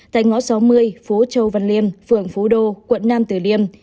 tại ngõ sáu mươi phố châu văn liêm phường phú đô quận nam tử liêm